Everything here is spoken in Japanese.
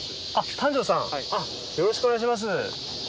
丹上さんよろしくお願いします。